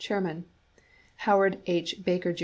chairman; Howard H. Baker, Jr.